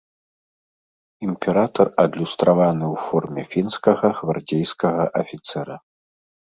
Імператар адлюстраваны ў форме фінскага гвардзейскага афіцэра.